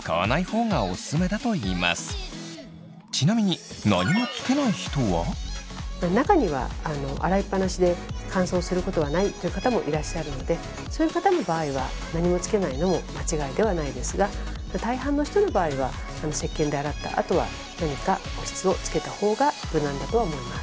ちなみに中には洗いっぱなしで乾燥することはないという方もいらっしゃるのでそういう方の場合は何もつけないのも間違いではないですが大半の人の場合はせっけんで洗ったあとは何か保湿をつけた方が無難だとは思います。